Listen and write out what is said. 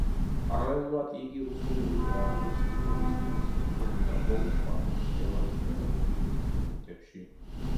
პარალელურად იგი რუსული ლიტერატურის ისტორიის კურსს კითხულობდა გორის, ბათუმის, თელავის პედაგოგიურ ინსტიტუტებში.